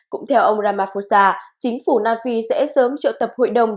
cũng theo ông ramaphosa chính phủ nam phi sẽ sớm triệu tập hội đồng